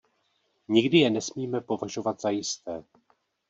Nikdy je nesmíme považovat za jisté.